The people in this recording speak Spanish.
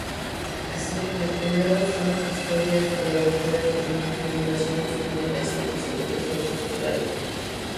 Así, los primeros son historias de aventuras con inundaciones, cometas y otros eventos sobrenaturales.